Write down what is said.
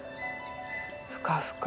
ふかふか。